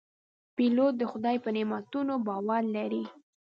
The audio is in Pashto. پیلوټ د خدای په نعمتونو باور لري.